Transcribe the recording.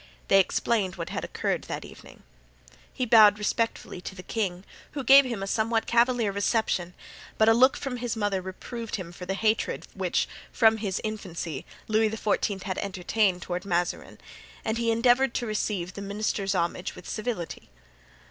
They explained what had occurred that evening. He bowed respectfully to the king, who gave him a somewhat cavalier reception, but a look from his mother reproved him for the hatred which, from his infancy, Louis XIV. had entertained toward Mazarin, and he endeavored to receive the minister's homage with civility.